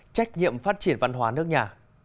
trách nhiệm phát triển văn hóa nước nhà